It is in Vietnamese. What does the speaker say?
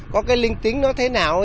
có cái linh tính nó thế nào